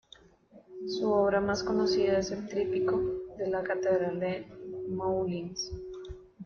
Su obra más conocida es el tríptico de la catedral de Moulins.